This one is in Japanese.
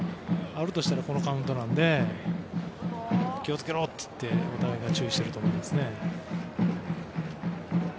あるとしたらこのカウントですから気を付けろって注意していると思いますね。